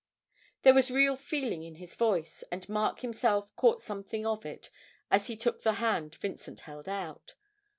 There was real feeling in his voice, and Mark himself caught something of it as he took the hand Vincent held out.